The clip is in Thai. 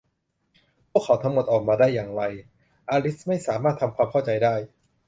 พวกเขาทั้งหมด ออกมาได้อย่างไร อลิสไม่สามารถทำความเข้าใจได้